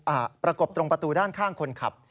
ประกบตรงประตูด้านข้างคนขับ